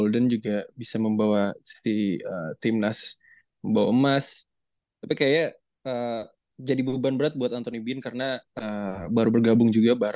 dengan adanya anthony bean